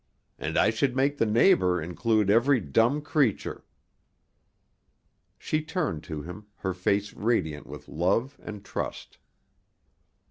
And I should make the neighbor include every dumb creature." She turned to him, her face radiant with love and trust.